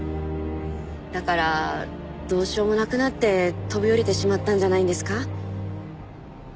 だからどうしようもなくなって飛び降りてしまったんじゃないんですか？